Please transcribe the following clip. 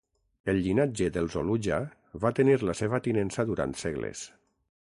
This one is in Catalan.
El llinatge dels Oluja va tenir la seva tinença durant segles.